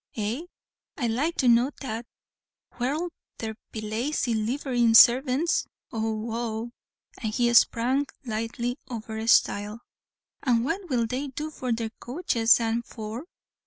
eh? I'd like to know that. Where'll be their lazy livery sarvants? ow! ow!!" and he sprang lightly over a stile. "And what will they do for their coaches and four?"